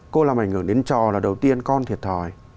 cô làm ảnh hưởng đến trò là đầu tiên con thiệt thòi